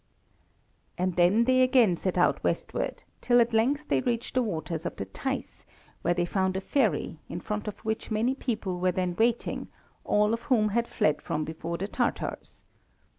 And then they again set out westward, till at length they reached the waters of the Theiss, where they found a ferry, in front of which many people were then waiting, all of whom had fled from before the Tatars.